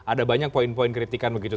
ada banyak poin poin kritikan begitu